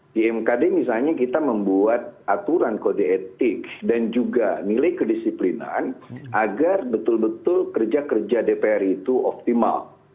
di mkd misalnya kita membuat aturan kode etik dan juga nilai kedisiplinan agar betul betul kerja kerja dpr itu optimal